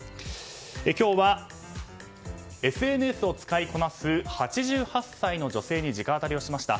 今日はＳＮＳを使いこなす８８歳の女性に直アタリしました。